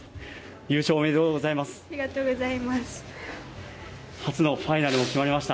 優勝、おめでとうございます。